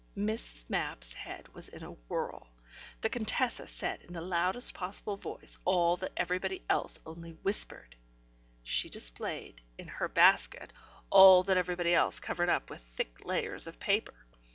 Miss Mapp's head was in a whirl. The Contessa said in the loudest possible voice all that everybody else only whispered; she displayed (in her basket) all that everybody else covered up with thick layers of paper.